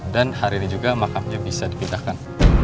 dan hari ini juga makamnya bisa dipindahkan